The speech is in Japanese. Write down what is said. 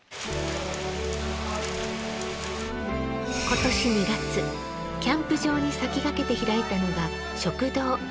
今年２月キャンプ場に先駆けて開いたのが食堂。